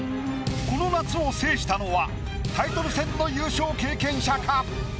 この夏を制したのはタイトル戦の優勝経験者か？